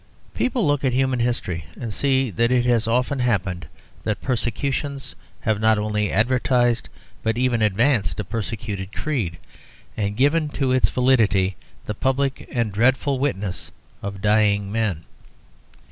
People look at human history and see that it has often happened that persecutions have not only advertised but even advanced a persecuted creed, and given to its validity the public and dreadful witness of dying men.